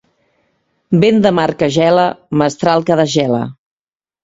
Vent de mar que gela, mestral que desgela.